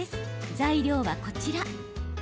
材料はこちら。